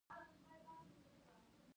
کلا له شور ماشوره ډکه وه.